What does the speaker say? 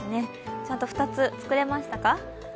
ちゃんと２つ作れましたか？